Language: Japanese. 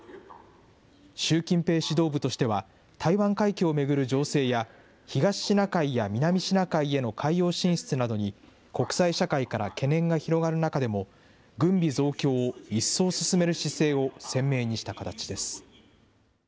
習近平指導部としては、台湾海峡を巡る情勢や、東シナ海や南シナ海への海洋進出などに、国際社会から懸念が広がる中でも、軍備増強を一層進める姿勢を鮮明にした形です。